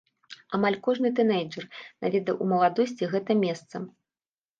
Амаль кожны тынэйджэр наведаў у маладосці гэта месца.